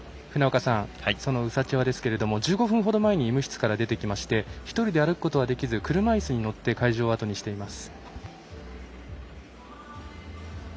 そのウサチョワですけども１５分ほど前に医務室から出てきまして１人で歩くことはできず車いすに乗って会場をあとにしています。